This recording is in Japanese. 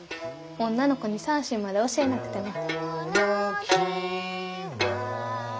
女の子に三線まで教えなくても。